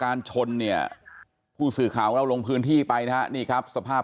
ชนเนี่ยผู้สื่อข่าวของเราลงพื้นที่ไปนะฮะนี่ครับสภาพ